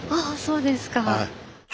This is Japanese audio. そうですか。